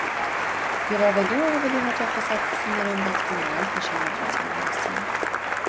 Եվ ավելի ու ավելի հաճախ խոսակցություններ են բացվում նրանց նշանադրության մասին։